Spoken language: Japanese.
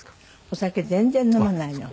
お酒全然飲まないの。